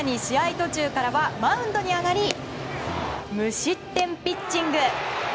途中からはマウンドに上がり無失点ピッチング。